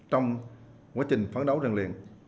trong quá trình phán đấu ràng liền